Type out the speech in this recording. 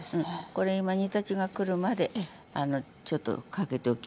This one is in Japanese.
これ今煮立ちが来るまでちょっとかけておきましょう。